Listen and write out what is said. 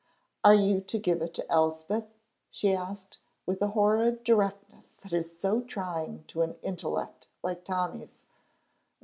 "Are you to give it to Elspeth?" she asked, with the horrid directness that is so trying to an intellect like Tommy's.